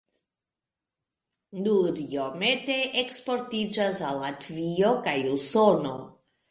Nur iomete eksportiĝas al Latvio kaj Usono.